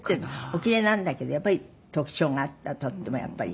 お奇麗なんだけどやっぱり特徴があったとってもやっぱり。